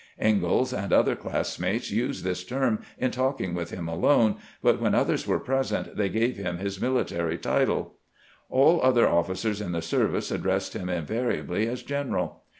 IngaUs and other classmates used this term in talking with him alone, but when others were present they gave him his mUi tary title. AU other officers in • the service addressed him invariably as " general."